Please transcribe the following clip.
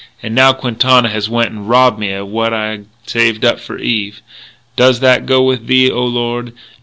And now Quintana has went and robbed me of what I'd saved up for Eve.... Does that go with Thee, O Lord?